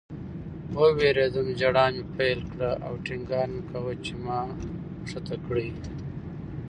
ووېرېدم. ژړا مې پیل کړه او ټینګار مې کاوه چې ما ښکته کړئ